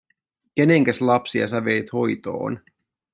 “Kenenkäs lapsia sä veit hoitoon?